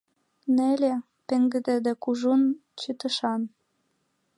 Неле, пеҥгыде да кужун чытышан.